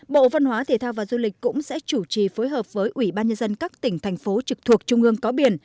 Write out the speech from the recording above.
bộ văn hóa thể thao và du lịch cũng sẽ chủ trì phối hợp với ủy ban nhân dân các tỉnh thành phố trực thuộc trung ương có biển